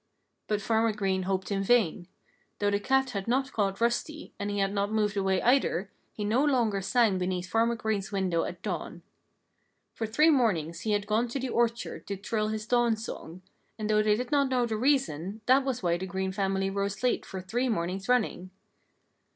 But Farmer Green hoped in vain. Though the cat had not caught Rusty, and he had not moved away, either, he no longer sang beneath Farmer Green's window at dawn. For three mornings he had gone to the orchard to trill his dawn song; and though they did not know the reason, that was why the Green family rose late for three mornings running.